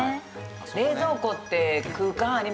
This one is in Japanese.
冷蔵庫って空間ありますもんね。